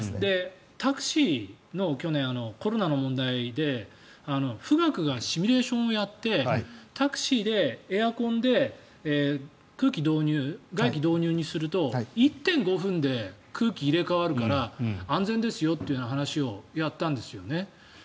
タクシーの去年、コロナの問題で富岳がシミュレーションをやってタクシーでエアコンで外気導入にすると１．５分で空気が入れ替わるから安全ですよという話をやったんですよね。